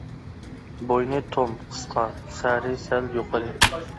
بوينى توم، قىسقا، سەرى سەل يۇقىرى.